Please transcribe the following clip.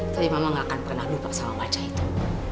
tapi mama gak akan pernah lupa sama baca itu